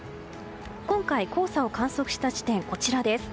今回、黄砂を観測した地点こちらです。